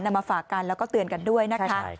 มาฝากกันแล้วก็เตือนกันด้วยนะคะ